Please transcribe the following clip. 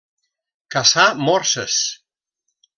Caçà morses.